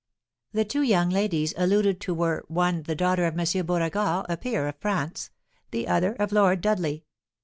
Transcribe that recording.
The two young ladies alluded to were, one, the daughter of M. Beauregard, a peer of France; the other, of Lord Dudley.